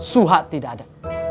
suha tidak ada